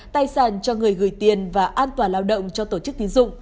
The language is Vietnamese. tài sản cho người gửi tiền và an toàn lao động cho tổ chức tín dụng